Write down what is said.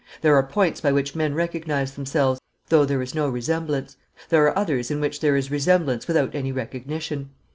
"There are points by which men recognize themselves, though there is no resemblance; there are others in which there is resemblance without any recognition.